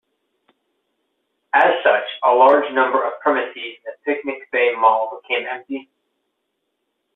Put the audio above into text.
As such a large number of premises in the Picnic Bay Mall became empty.